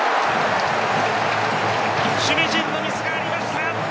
守備陣のミスがありました。